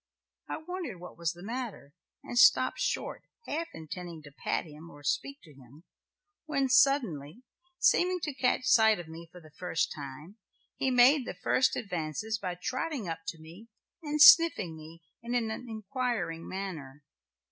I wondered what was the matter and stopped short half intending to pat him or speak to him, when suddenly, seeming to catch sight of me for the first time, he made the first advances by trotting up to me and sniffing me in an inquiring manner.